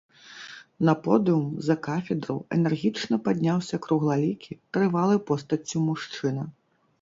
На подыум, за кафедру, энергічна падняўся круглалікі, трывалы постаццю мужчына.